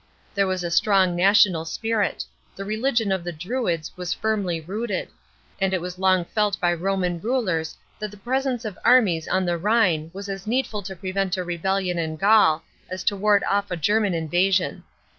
There was a strong national spirit; the religion of the Druids was firmly rooted; and it was long felt by Roman rulers that the presence of armies OD the Rhine was as needful to prevent a rebellion in Gaul as to ward off a German invasion.